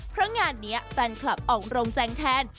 เพราะงานนี้แฟนคลับออกโรงแจงแทน